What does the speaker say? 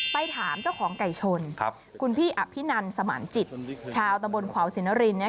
ไปถามเจ้าของไก่ชนคุณพี่อภินันสมานจิตชาวตะบนขวาวสินริน